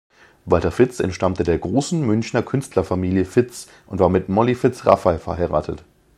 Walter Fitz entstammte der großen Münchner Künstlerfamilie Fitz und war mit "Molly Fitz-Raffay" verheiratet.